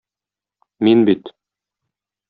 Мин бит...